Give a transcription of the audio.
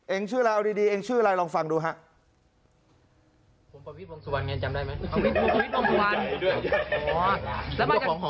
ชื่ออะไรเอาดีเองชื่ออะไรลองฟังดูครับ